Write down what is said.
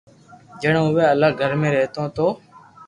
جڻي اووي الگ گھر ۾ رھتو تو